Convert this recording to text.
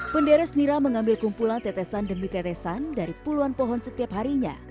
penderes nira mengambil kumpulan tetesan demi tetesan dari puluhan pohon setiap harinya